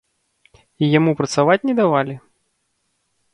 І яму працаваць не давалі?